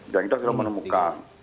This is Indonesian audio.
dan kita sudah menemukan